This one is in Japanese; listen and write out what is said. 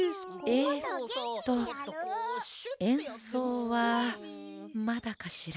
えっとえんそうはまだかしら？